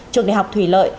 trường đại học thủy lợi